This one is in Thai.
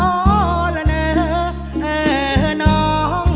เอออ้อละเนอเออน้องพร